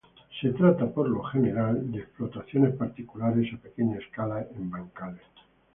Se trata por lo general de explotaciones particulares a pequeña escala en bancales.